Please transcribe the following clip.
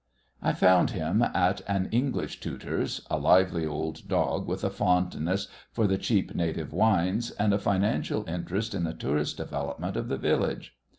I found him at an English tutor's a lively old dog, with a fondness for the cheap native wines, and a financial interest in the tourist development of the village.